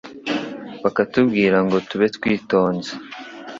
bakatubwira ngo tube twitonze,